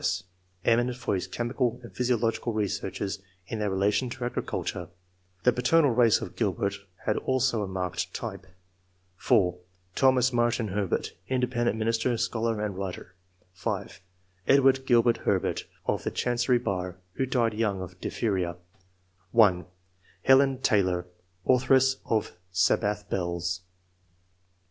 S., eminent for his chemical and physiological researches in their relation to agri culture (the paternal race of Gilbert had also a marked type) ; (4) Thomas Martyn Herbert, Independent minister, scholar, and writer; (5) Edward Gilbert Herbert, of the Chancery bar, who died young of diphtheria ; (1) Helen Taylor, authoress of "Sabbath Bells."